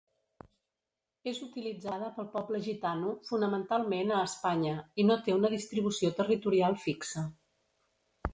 És utilitzada pel poble gitano, fonamentalment a Espanya, i no té una distribució territorial fixa.